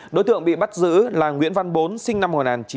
đối tượng bị bắt giữ là nguyễn văn bốn sinh năm một nghìn chín trăm chín mươi hai